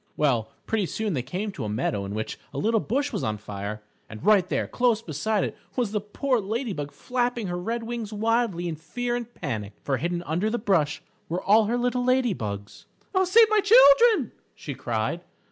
Well, pretty soon they came to a meadow in which a little bush was on fire. And right there close beside it, was the poor Lady Bug flapping her red wings wildly in fear and panic for hidden under the bush were all her little lady bugs. "Oh, save my children!" she cried.